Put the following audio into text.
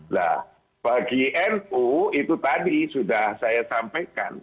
nah bagi nu itu tadi sudah saya sampaikan